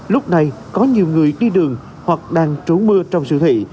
lúc này có nhiều người đi đường hoặc đang trú mưa trong siêu thị